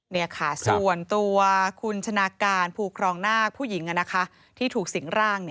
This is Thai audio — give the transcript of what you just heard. นี่ค่ะส่วนตัวคุณชนะการภูครองนาคผู้หญิงที่ถูกสิงร่าง